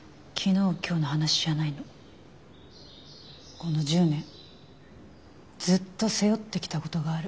この１０年ずっと背負ってきたことがある。